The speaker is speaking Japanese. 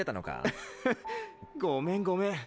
あはっごめんごめん。